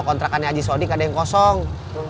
kontrakannya aji saudi gak ada yang kosong